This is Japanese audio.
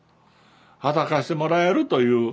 働かせてもらえるという。